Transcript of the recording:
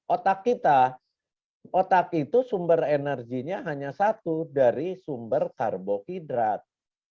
otak kita otak itu sumber energinya hanya satu dari sumber karbohidrat